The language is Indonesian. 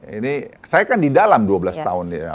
ini saya kan di dalam dua belas tahun ya